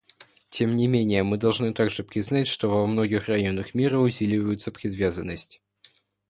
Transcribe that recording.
Тем не менее мы должны также признать, что во многих районах мира усиливается предвзятость.